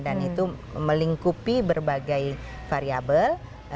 dan itu melingkupi berbagai variabel